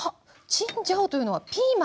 チンジャオというのはピーマン。